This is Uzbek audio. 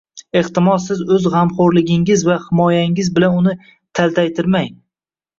ehtimol siz o‘z g‘amxo‘rligingiz va himoyangiz bilan uni taltaytirmang.